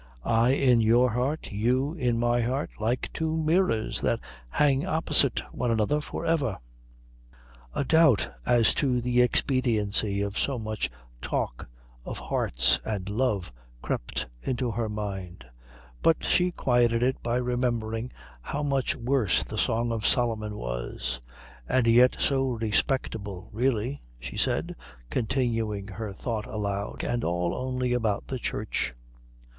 I in your heart, you in my heart, like two mirrors that hang opposite one another for ever." A doubt as to the expediency of so much talk of hearts and love crept into her mind, but she quieted it by remembering how much worse the Song of Solomon was "And yet so respectable really," she said, continuing her thought aloud, "and all only about the Church."